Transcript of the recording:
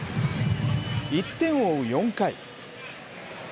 １点を追う４回。